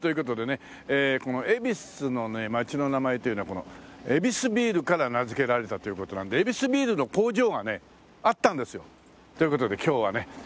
この恵比寿のね街の名前というのはこのヱビスビールから名付けられたという事なんでヱビスビールの工場がねあったんですよ。という事で今日はね